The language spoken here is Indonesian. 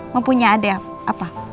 mau punya adik apa